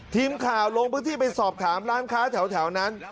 ทีมข่าวลงพื้นที่ไปสอบถามร้านค้าแถวนั้น